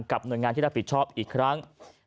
หน่วยงานที่รับผิดชอบอีกครั้ง